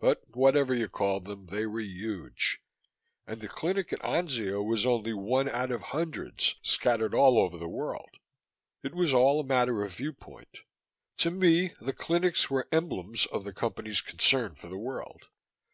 But whatever you called them, they were huge. And the clinic at Anzio was only one out of hundreds scattered all over the world. It was all a matter of viewpoint. To me, the clinics were emblems of the Company's concern for the world.